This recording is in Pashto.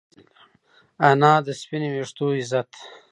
انا د سپین ویښتو عزت ده